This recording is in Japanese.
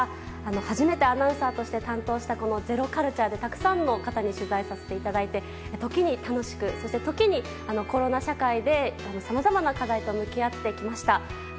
初めて担当させていただいたｚｅｒｏｃｕｌｔｕｒｅでたくさんの方に取材させていただいて時に楽しくそして時にコロナ社会でさまざまな課題と向き合ってきました。